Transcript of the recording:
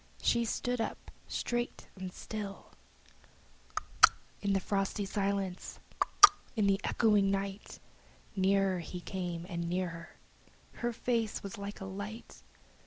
She stood up straight and still. Tlot tlot, in the frosty silence! Tlot tlot, in the echoing night! Nearer he came and nearer! Her face was like a light!